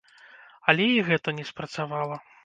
Але і гэта не спрацавала.